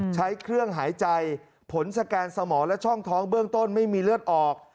ใช้เครื่องหายใจผลสแกนสมองและช่องท้องเบื้องต้นไม่มีเลือดออก